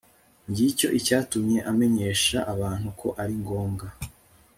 ngicyo icyatumye amenyesha abantu ko ari ngombwa